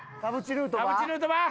田渕ヌートバー？